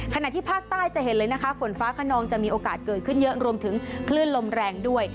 ขณะที่ภาคใต้จะเห็นเลยนะคะฝนฟ้าขนองจะมีโอกาสเกิดขึ้นเยอะรวมถึงคลื่นลมแรงด้วย